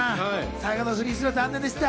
最後のフリースロー残念でした。